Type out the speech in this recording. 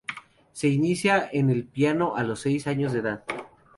Se inicia en el piano a los seis años de edad.